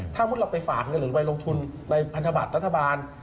ถ้ามุติเราไปฝากเงินหรือไปลงทุนในพันธบัตรรัฐบาล